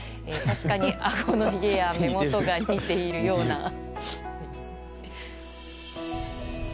確かに、あごのひげや目元が似ているような。